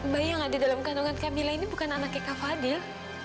bayi yang ada dalam kandungan kak mila ini bukan anaknya kak fadil